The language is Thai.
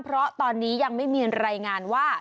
เพราะตอนนี้ยังไม่มีรายงานว่า